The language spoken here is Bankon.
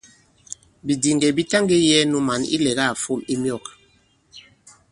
Bìdìŋgɛ̀ bi taŋgē yɛ̄ɛ nu mǎn ilɛ̀gâ à fom i myɔ̂k.